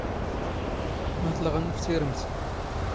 ⵎⴰⵟⵍⵖ ⵏⵏ ⴼ ⵜⵉⵔⵎⵜ.